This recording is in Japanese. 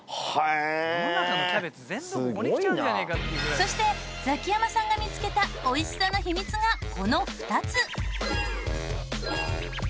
そしてザキヤマさんが見つけた美味しさの秘密がこの２つ。